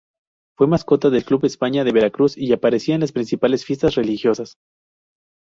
Fue mascota del Club España de Veracruz y aparecía en las principales fiestas religiosas.